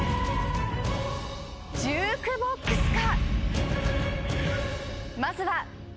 ジュークボックスか？